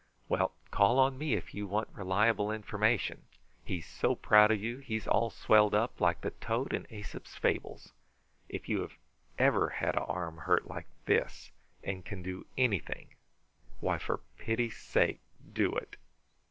"Well, call on me if you want reliable information. He's so proud of you he is all swelled up like the toad in AEsop's Fables. If you have ever had an arm hurt like this, and can do anything, why, for pity sake, do it!"